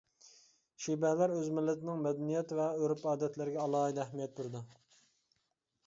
شىبەلەر ئۆز مىللىتىنىڭ مەدەنىيەت ۋە ئۆرپ-ئادەتلىرىگە ئالاھىدە ئەھمىيەت بېرىدۇ.